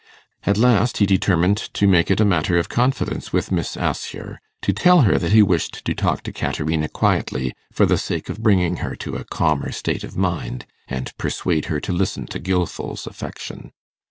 At last he determined to make it a matter of confidence with Miss Assher to tell her that he wished to talk to Caterina quietly for the sake of bringing her to a calmer state of mind, and persuade her to listen to Gilfil's affection.